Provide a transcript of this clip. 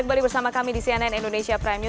karena ini basis pendukung pak prabowo